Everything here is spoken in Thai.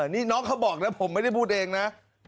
นี่น้องเขาบอกนะผมไม่ได้พูดเองนะ